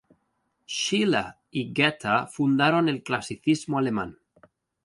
Schiller y Goethe fundaron el Clasicismo alemán.